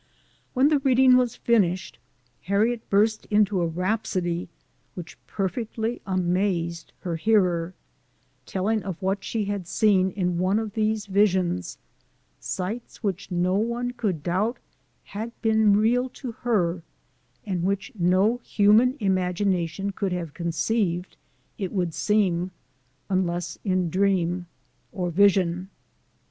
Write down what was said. When the reading was finished, Har riet burst into a rhapsody which perfectly amazed her hearer telling of what she had seen in one of these visions, sights which no one could doubt had been real to her, and which no human imagination could have conceived, it would seem, unless in dream or vision.